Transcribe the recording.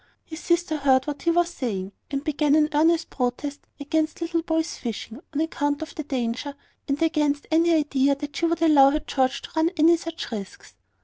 His sister heard what he was saying, and began an earnest protest against little boys fishing, on account of the danger, and against any idea that she would allow her George to run any such risks.